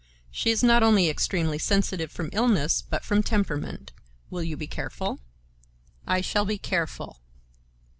She is not only extremely sensitive from illness but from temperament. Will you be careful?" "I shall be careful."